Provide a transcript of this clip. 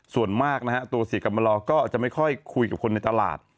ส่วนมากนะฮะตัวเสียกรรมลอก็จะไม่ค่อยคุยกับคนในตลาด